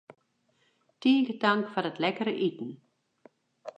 Tige tank foar it lekkere iten.